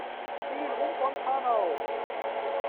Für den Ruhm von Panau!